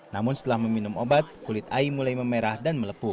namun setelah meminum obat kulit ai mulai memerah dan melepuh